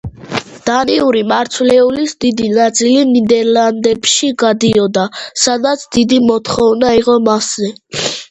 დანიური მარცვლეულის დიდი ნაწილი ნიდერლანდებში გადიოდა, სადაც დიდი მოთხოვნა იყო მასზე.